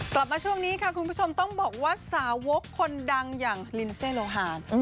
กลับมาช่วงนี้ค่ะคุณผู้ชมต้องบอกว่าสาวกคนดังอย่างลินเซโลหาร